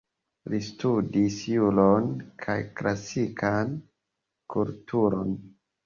Li studis juron, kaj klasikan kulturon.